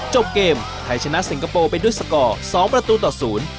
จบเกมไทยชนะสิงคโปร์ไปด้วยสกอร์๒ประตูต่อศูนย์